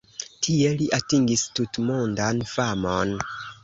Tie li atingis tutmondan famon.